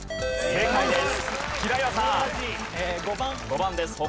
正解です。